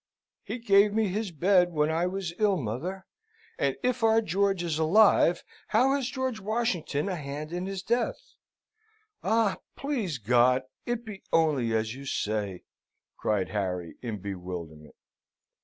"He gave me his bed when I was ill, mother; and if our George is alive, how has George Washington a hand in his death? Ah! please God it be only as you say," cried Harry, in bewilderment.